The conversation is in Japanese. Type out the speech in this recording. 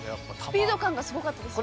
スピード感がすごかったですね。